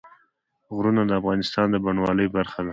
غرونه د افغانستان د بڼوالۍ برخه ده.